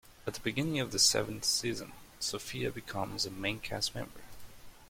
At the beginning of the seventh season, Sofia becomes a main cast member.